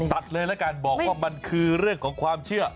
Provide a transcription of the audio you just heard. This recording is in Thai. ตัดเลยแล้วกันบอกว่ามันคือเรื่องของความเชื่อ